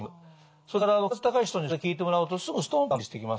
それから血圧高い人にそれ聴いてもらうとすぐストンと安定してきます。